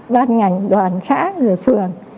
bác ngành đoàn xã rồi phường